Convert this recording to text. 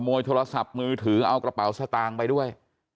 ยโทรศัพท์มือถือเอากระเป๋าสตางค์ไปด้วย